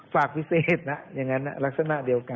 ฝากพิเศษนะอย่างนั้นลักษณะเดียวกัน